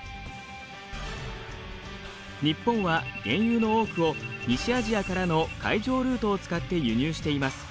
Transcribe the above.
日本は原油の多くを西アジアからの海上ルートを使って輸入しています。